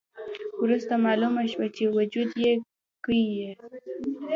وروسته مالومه شوه چې وجود کې یې